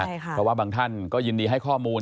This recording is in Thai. เพราะว่าบางท่านก็ยินดีให้ข้อมูล